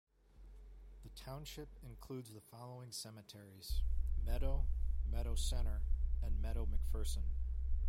The township includes the following cemeteries: Medo, Medo Center and Medo-McPherson.